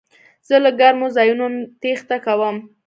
زه له ګرمو ځایونو تېښته کوم.